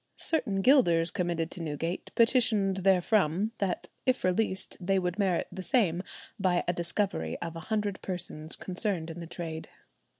Certain gilders committed to Newgate petitioned therefrom, that if released they would merit the same by a discovery of a hundred persons concerned in the trade.